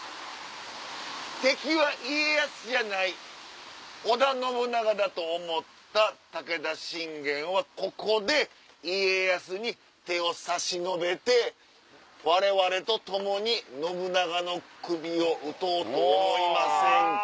敵は家康じゃない織田信長だと思った武田信玄はここで家康に手を差し伸べてわれわれと共に信長の首を討とうと思いませんか？